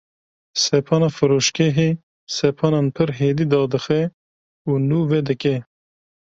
Sepana firoşgehê sepanan pir hêdî dadixe û nûve dike